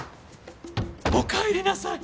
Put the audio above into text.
おかえりなさい！